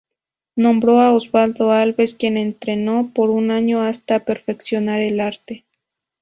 Nombró a Osvaldo Alves, quien entrenó por un año hasta perfeccionar el arte.